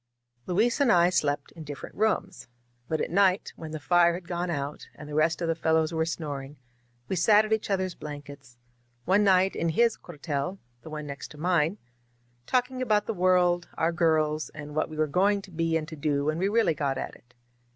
99 • Luis and I slept in different rooms. But at night, when the fire had gone out and the rest of the fellows were snoring, we sat at each other's blankets — one night in his cuartel, the one next to mine — ^talking about the world, our girls, and what we were going to be and to do when we really got at it.